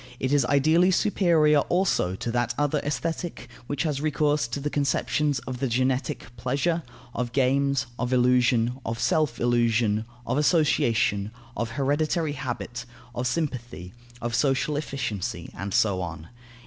It is ideally superior also to that other Aesthetic, which has recourse to the conceptions of the genetic pleasure, of games, of illusion, of self illusion, of association, of hereditary habit, of sympathy, of social efficiency, and so on.